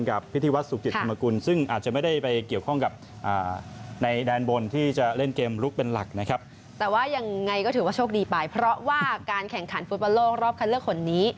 กับพิธีวัฒน์สุขจิตธรรมกุลซึ่งอาจจะไม่ได้ไปเกี่ยวข้องกับในด้านบน